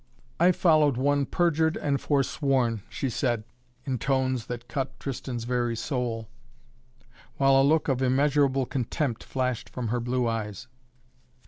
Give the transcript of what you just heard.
"I followed one, perjured and forsworn," she said in tones that cut Tristan's very soul, while a look of immeasurable contempt flashed from her blue eyes.